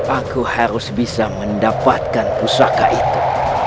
aku harus bisa mendapatkan pusaka itu